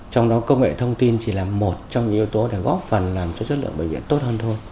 trong đó công nghệ thông tin chỉ là một trong những yếu tố để góp phần làm cho chất lượng bệnh viện tốt hơn thôi